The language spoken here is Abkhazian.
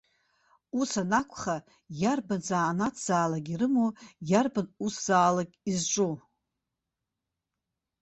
Ус анакәха, иарбан занааҭзаалак ирымоу, иарбан усзаалак изҿу.